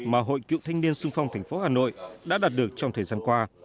mà hội cựu thanh niên xung phong tp hà nội đã đạt được trong thời gian qua